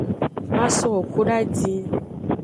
Masowo koto adin.